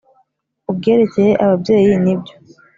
kubyerekeye ababyeyi, nibyo,